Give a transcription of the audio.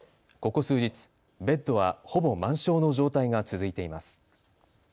ここ数日、ベッドはほぼ満床の状態が続いています。